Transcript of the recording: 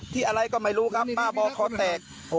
ที่อะไรก็ไม่รู้ครับบ้าบอขอแตก